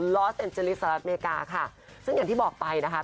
ลอสเอ็นเจริสหรัฐอเมริกาค่ะซึ่งอย่างที่บอกไปนะคะ